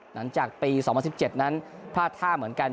หลังจากปี๒๐๑๗นั้นพลาดท่าเหมือนกัน